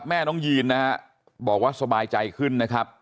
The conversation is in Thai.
แม่น้องยีนนะฮะบอกว่าสบายใจขึ้นนะครับ